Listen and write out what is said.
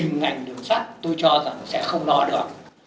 một mình ngành đường sắt tôi cho rằng sẽ không lo được